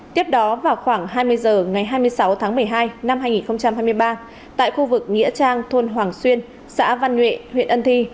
tiếp đó vào khoảng hai mươi h ngày hai mươi sáu tháng một mươi hai năm hai nghìn hai mươi ba tại khu vực nghĩa trang thôn hoàng xuyên xã văn nhuệ huyện ân thi